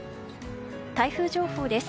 台風情報です。